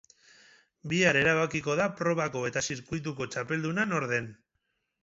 Bihar erabakiko da probako eta zirkuituko txapelduna nor den.